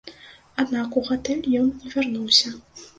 Аднак у гатэль ён не вярнуўся.